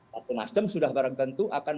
pak tenasdem sudah bergantung akan